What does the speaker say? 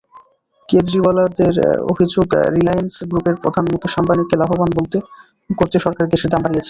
কেজরিওয়ালের অভিযোগ, রিলায়েন্স গ্রুপের প্রধান মুকেশ আম্বানিকে লাভবান করতে সরকার গ্যাসের দাম বাড়িয়েছে।